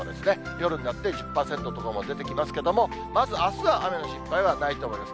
夜になって１０％の所も出てきますけれども、まずあすは雨の心配はないと思います。